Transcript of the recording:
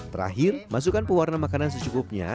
terakhir masukkan pewarna makanan secukupnya